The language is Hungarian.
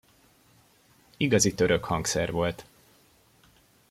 Igazi török hangszer volt.